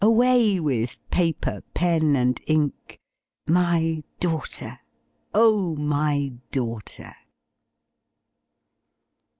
Away with paper, pen, and ink My daughter, O my daughter!